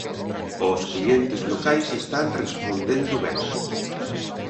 Os clientes locais están respondendo ben.